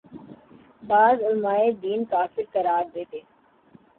بعض علماے دین کافر قرار دیتے